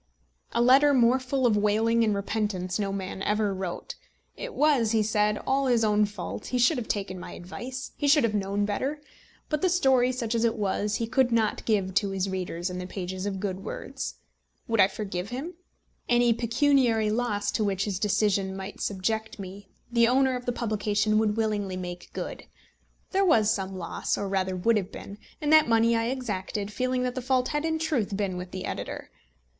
A letter more full of wailing and repentance no man ever wrote. It was, he said, all his own fault. He should have taken my advice. He should have known better. But the story, such as it was, he could not give to his readers in the pages of Good Words. Would I forgive him? Any pecuniary loss to which his decision might subject me the owner of the publication would willingly make good. There was some loss or rather would have been and that money I exacted, feeling that the fault had in truth been with the editor.